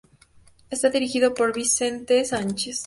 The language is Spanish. Está dirigida por Vicente Sanchez.